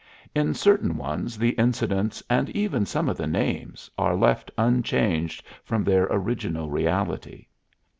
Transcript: In certain ones the incidents, and even some of the names, are left unchanged from their original reality.